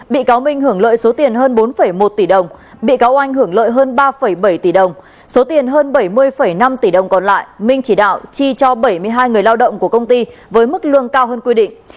bị cáo minh hưởng lợi số tiền hơn bốn một tỷ đồng bị cáo oanh hưởng lợi hơn ba bảy tỷ đồng số tiền hơn bảy mươi năm tỷ đồng còn lại minh chỉ đạo chi cho bảy mươi hai người lao động của công ty với mức lương cao hơn quy định